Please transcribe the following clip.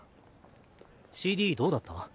ＣＤどうだった？